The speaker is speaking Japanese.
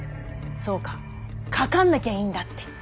そっか「かかんなきゃ」いいんだって！